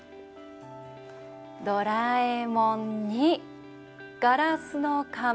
「ドラえもん」に「ガラスの仮面」。